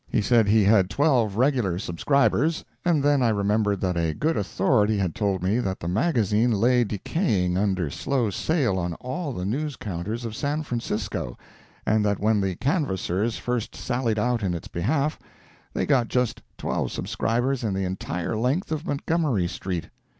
He said he had twelve regular subscribers—and then I remembered that a good authority had told me that the magazine lay decaying under slow sale on all the news counters of San Francisco, and that when the canvassars first sallied out in its behalf, they got just twelve subscribers in the entire length of Montgomery street.